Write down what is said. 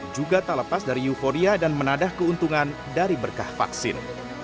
juga tak lepas dari euforia dan menadah keuntungan dari berkah vaksin